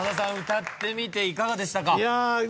歌ってみていかがでしたか？